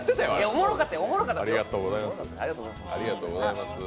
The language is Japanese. おもろかったよ、おもろかった。